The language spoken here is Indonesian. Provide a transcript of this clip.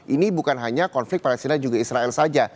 ini bukan hanya konflik palestina dan juga israel saja